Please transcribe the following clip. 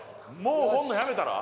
放るのやめたら？